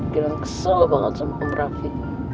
gilang kesel banget sama om raffi